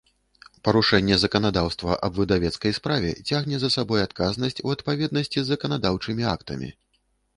Парушэнне заканадаўства аб выдавецкай справе цягне за сабой адказнасць у адпаведнасцi з заканадаўчымi актамi.